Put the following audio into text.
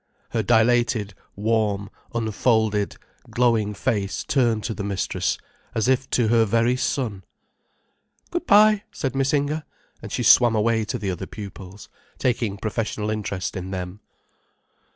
Her dilated, warm, unfolded, glowing face turned to the mistress, as if to her very sun. "Good bye," said Miss Inger, and she swam away to the other pupils, taking professional interest in them.